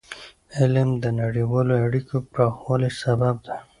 علم د نړیوالو اړیکو پراخوالي سبب دی.